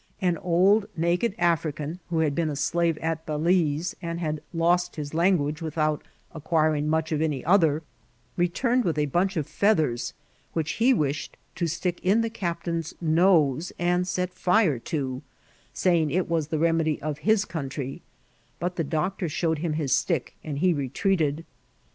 An old naked African, who had been a slave at Balixe, and had lost his language without acquiring much of any other, re turned with a bunch of feathers, which he wished to stick in the captain's nose and set fire to, saying it was the remedy of his country ; but the doctor showed him his stick, and he retreated.